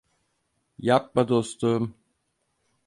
Yapma dostum.